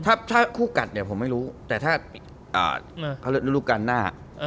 ถ้าคู่กัดเนี่ยผมไม่รู้แต่ถ้าเขาเรียกฤดูการหน้า